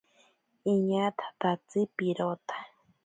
Iñatatatsi pirota.